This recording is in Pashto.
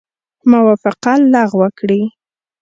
موافقه لغو کړي.